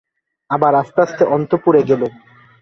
আবার আস্তে আস্তে অন্তঃপুরে গেলুম।